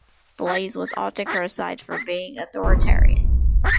Blaize was often criticized for being authoritarian.